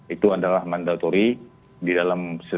itu adalah mandatual